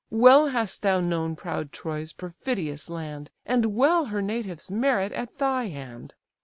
Well hast thou known proud Troy's perfidious land, And well her natives merit at thy hand!